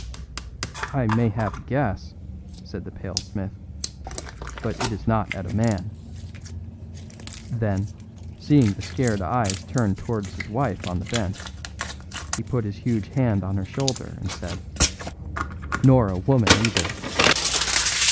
"I may have a guess," said the pale smith, "but it is not at a man." Then, seeing the scared eyes turn towards his wife on the bench, he put his huge hand on her shoulder and said: "Nor a woman either."